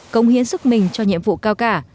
công hiến sức mình cho nhiệm vụ cao cả